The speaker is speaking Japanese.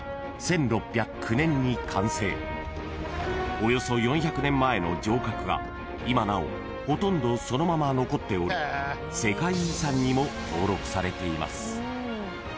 ［およそ４００年前の城郭が今なおほとんどそのまま残っており世界遺産にも登録されています］